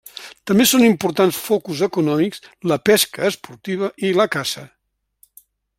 També són importants focus econòmics la pesca esportiva i la caça.